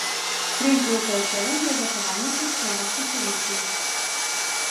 Крыж быў каўчэгам для захавання хрысціянскіх рэліквій.